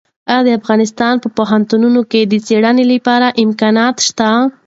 ایا د افغانستان په پوهنتونونو کې د څېړنې لپاره امکانات شته؟